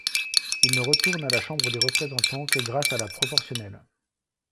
Il ne retourne à la Chambre des représentants que grâce à la proportionnelle.